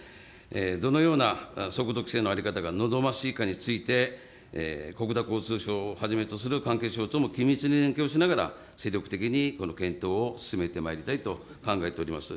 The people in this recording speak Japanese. どのような速度規制の在り方が望ましいかについて、国土交通省をはじめとする関係省庁も緊密に連携をしながら、精力的に検討を進めてまいりたいと考えております。